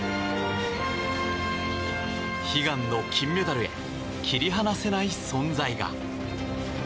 悲願の金メダルへ切り離せない存在が。